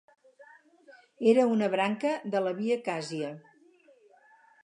Era una branca de la Via Càsia.